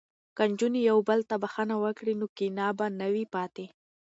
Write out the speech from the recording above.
که نجونې یو بل ته بخښنه وکړي نو کینه به نه وي پاتې.